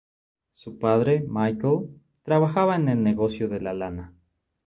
Su padre, Michael, trabajaba en el negocio de la lana.